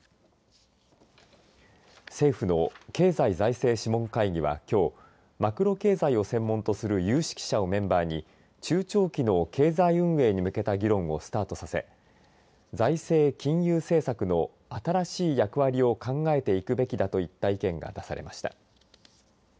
政府の経済財政諮問会議はきょうマクロ経済を専門とする有識者をメンバーに中長期の経済運営に向けた議論をスタートさせ財政・金融政策の新しい役割を考えていくべきだといった意見が出されました。